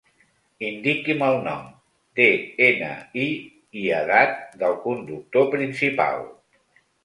Indiqui'm el nom, de-ena-i i edat del conductor principal.